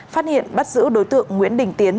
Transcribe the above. phát hiện bắt giữ đối tượng nguyễn đình tiến